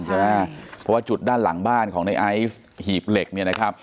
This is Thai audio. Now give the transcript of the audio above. เพราะว่าจุดด้านหลังบ้านของในไอฮีบเหล็ก